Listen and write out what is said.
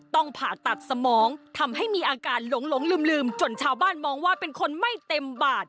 ผ่าตัดสมองทำให้มีอาการหลงลืมจนชาวบ้านมองว่าเป็นคนไม่เต็มบาด